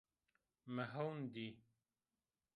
Mi hewn dî